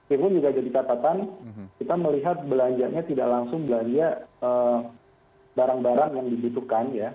ini pun juga jadi catatan kita melihat belanjanya tidak langsung belanja barang barang yang dibutuhkan ya